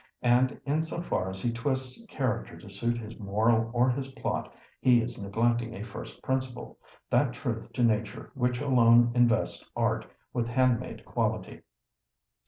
And in so far as he twists character to suit his moral or his plot, he is neglecting a first principle, that truth to Nature which alone invests art with handmade quality.